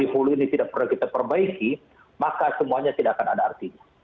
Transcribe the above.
hulu ini tidak pernah kita perbaiki maka semuanya tidak akan ada artinya